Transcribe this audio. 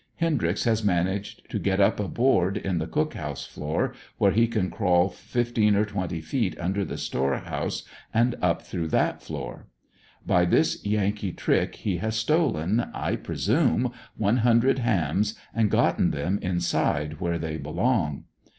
Hendryx has managed to get up a board in the cook house floor, where he can crawl fifteen or twenty feet under the store house and up through that floor. By this Yankee trick he has stolen, I presume one hundred hams and gotten them inside where they belong.